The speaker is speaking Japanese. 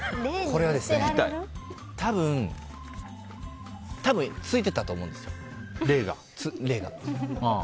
これは、多分ついてたと思うんですよ霊が。